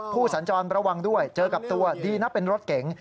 สัญจรระวังด้วยเจอกับตัวดีนะเป็นรถเก๋ง